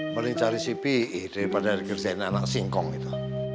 mending cari si pi daripada dikerjain anak singkong gitu